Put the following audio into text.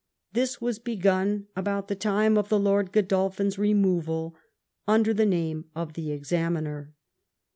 This was begun about the time of the Lord (lodolphin's removal, under the name of the Examiner.